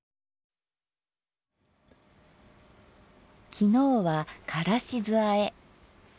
昨日は「からし酢あえ」。